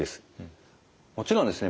もちろんですね